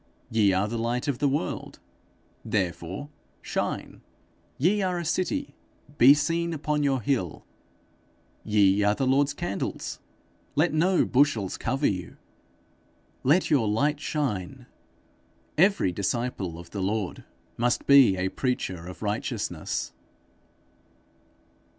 'Ye are the light of the world; therefore shine.' 'Ye are a city; be seen upon your hill.' 'Ye are the Lord's candles; let no bushels cover you. Let your light shine.' Every disciple of the Lord must be a preacher of righteousness.